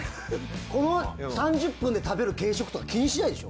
この３０分で食べる軽食とか気にしないでしょ？